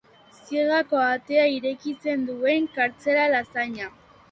Ziegako atea irekitzen duen kartzelazaina.